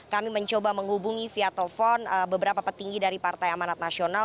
kami mencoba menghubungi via telepon beberapa petinggi dari partai amanat nasional